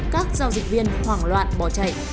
các giao dịch viên hoảng loạn bỏ chạy